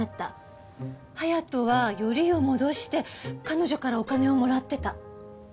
隼人はヨリを戻して彼女からお金をもらってた。